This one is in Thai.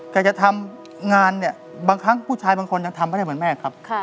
จะทำงานเนี่ยบางครั้งผู้ชายบางคนยังทำไม่ได้เหมือนแม่ครับ